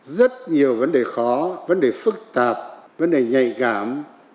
rất nhiều vấn đề khó vấn đề phức tạp vấn đề nhạy cảm